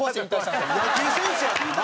野球選手やもんな。